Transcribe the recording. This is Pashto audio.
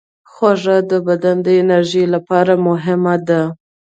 خوږه د بدن د انرژۍ لپاره مهمه ده.